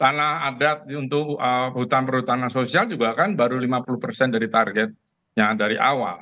tanah adat untuk hutan perhutanan sosial juga kan baru lima puluh persen dari targetnya dari awal